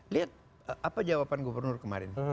lihat apa jawaban gubernur kemarin